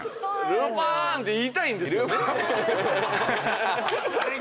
「ルパーン！」って言いたいんですよね。